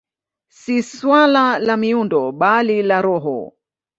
Si suala la miundo, bali la roho.